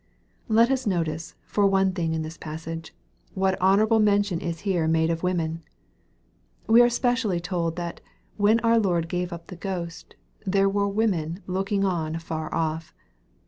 Let us notice, for one thing in this passage, what honorable mention is here made of women. We are specially told that, when our Lord gave up the ghost, " there were women looking on afar off."